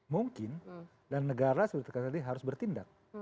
mungkin dan negara seperti kata tadi harus bertindak